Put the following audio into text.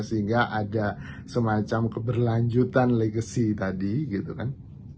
sehingga ada semacam keberlanjutan legacy tadi gitu kan